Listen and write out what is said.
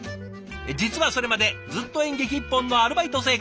実はそれまでずっと演劇一本のアルバイト生活。